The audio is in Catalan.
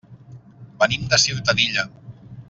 Venim de Ciutadilla.